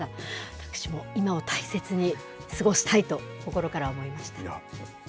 私も今を大切に過ごしたいと心から思いました。